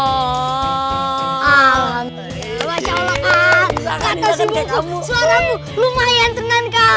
kata si buku suaraku lumayan tenang kak